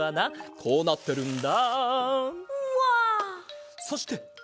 こうなってるんだ。